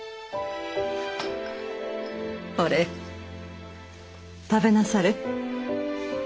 ほれ食べなされ。